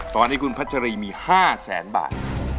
ตอนนี้คุณพระชะลีมีห้าแสนบาท